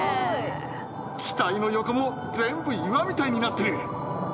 機体の横も全部岩みたいになってる。